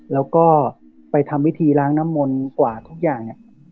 แล้วก็ไปทำวิธีล้างน้ำมนต์กว่าทุกอย่างเนี่ย